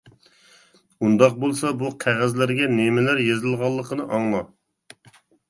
-ئۇنداق بولسا بۇ قەغەزلەرگە نېمىلەر يېزىلغانلىقىنى ئاڭلا!